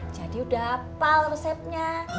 jadi udah apal resepnya